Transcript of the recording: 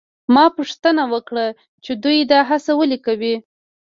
ما پوښتنه وکړه چې دوی دا هڅه ولې کوي؟